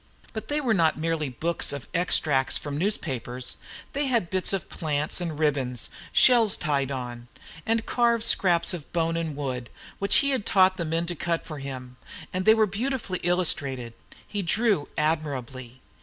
But they were not merely books of extracts from newspapers. They had bits of plants and ribbons, shells tied on, and carved scraps of bone and wood, which he had taught the men to cut for him, and they were beautifully illustrated. He drew admirably.